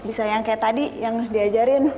bisa yang kayak tadi yang diajarin